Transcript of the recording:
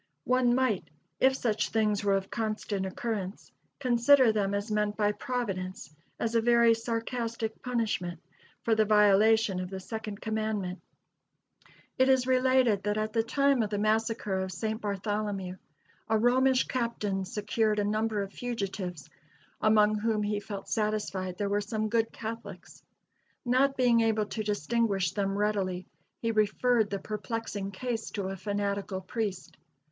One might, if such things were of constant occurrence, consider them as meant by Providence as a very sarcastic punishment for the violation of the second commandment. [Illustration: EIGHTH AND MAIN STREETS, LOUISVILLE.] It is related that at the time of the massacre of St. Bartholomew, a Romish captain secured a number of fugitives, among whom he felt satisfied there were some good Catholics. Not being able to distinguish them readily, he referred the perplexing case to a fanatical priest.